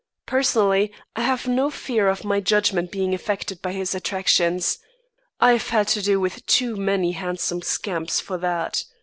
Personally, I have no fear of my judgment being affected by his attractions. I've had to do with too many handsome scamps for that.